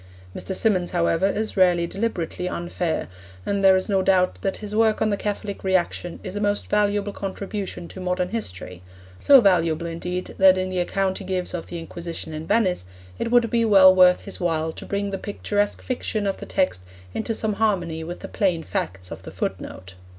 Mr. Symonds, however, is rarely deliberately unfair, and there is no doubt but that his work on the Catholic Reaction is a most valuable contribution to modern history so valuable, indeed, that in the account he gives of the Inquisition in Venice it would be well worth his while to bring the picturesque fiction of the text into some harmony with the plain facts of the footnote.